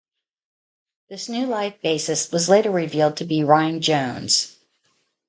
This new live bassist was later revealed to be Ryne Jones.